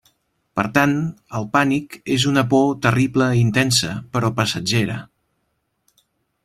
Per tant, el pànic és una por terrible i intensa, però passatgera.